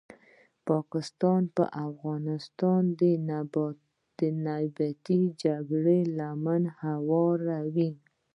پاکستان په افغانستان کې نیابتې جګړي ته لمن هواروي